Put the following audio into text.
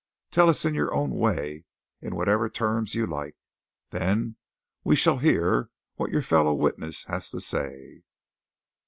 Tell us in your own way, in whatever terms you like. Then we shall hear what your fellow witness has to say."